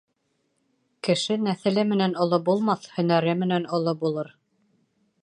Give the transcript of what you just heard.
Кеше нәҫеле менән оло булмаҫ, һөнәре менән оло булыр.